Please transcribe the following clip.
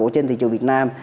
trên thị trường việt nam